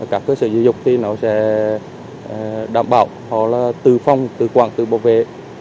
các cơ sở dự dục thì nó sẽ đảm bảo họ là tự phòng tự quản tự bảo vệ